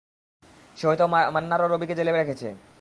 সে হয়তো মান্নার ও রবিকে জেলে রেখেছে।